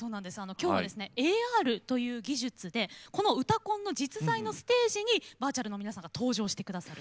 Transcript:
今日はＡＲという技術でこの「うたコン」の実在のステージにバーチャルの皆さんが登場して下さる。